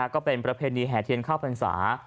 ก็เป็นประเพณีแห่เทียนข้าวพรรษา